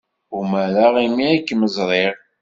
Umareɣ imi ay kem-ẓriɣ.